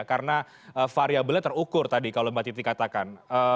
karena variabelnya terukur tadi kalau mbak titi katakan